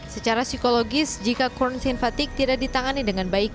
secara psikologis jika corn sinfatik tidak ditangani dengan baik